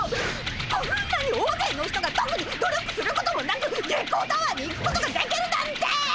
こんなに大勢の人がとくに努力することもなく月光タワーに行くことができるなんて！